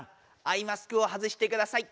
アイマスクを外してください！